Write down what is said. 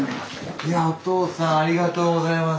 いやおとうさんありがとうございます。